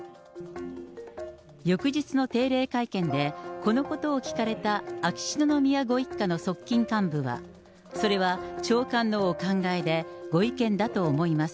翌日の定例会見で、このことを聞かれた秋篠宮ご一家の側近幹部は、それは長官のお考えで、ご意見だと思います。